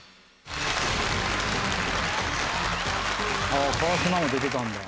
ああ川島も出てたんだ。